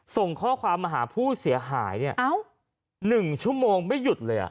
ส่งข้อความมาหาผู้เสียหายเนี่ย๑ชั่วโมงไม่หยุดเลยอ่ะ